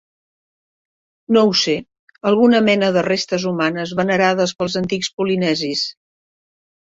No ho sé, alguna mena de restes humanes venerades pels antics polinesis.